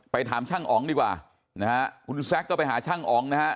ไปถามช่างอองดีกว่าคุณสลักตัวไปหาช่างอองนะฮะ